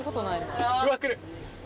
うわっ来る。